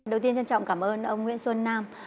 đầu tiên trân trọng cảm ơn ông nguyễn xuân nam